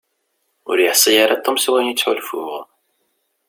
Ur yeḥsi ara Tom s wayen i ttḥulfuɣ.